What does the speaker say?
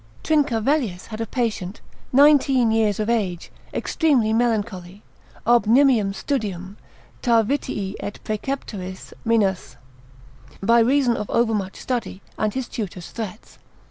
Trincavellius, lib. 1. consil. 16. had a patient nineteen years of age, extremely melancholy, ob nimium studium, Tarvitii et praeceptoris minas, by reason of overmuch study, and his tutor's threats.